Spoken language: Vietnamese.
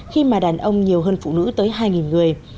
khi mà đàn ông nhiều hơn phụ nữ tới hai người